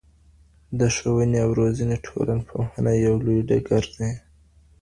د ښوونې او روزنې ټولنپوهنه یو لوی ډګر دی.